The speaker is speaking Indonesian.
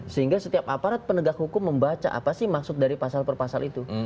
sehingga setiap aparat penegak hukum membaca apa sih maksud dari pasal per pasal itu